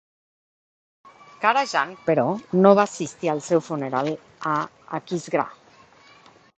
Karajan però no va assistir al seu funeral a Aquisgrà.